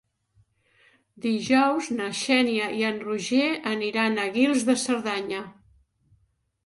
Dijous na Xènia i en Roger aniran a Guils de Cerdanya.